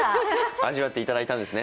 味わっていただいたんですね。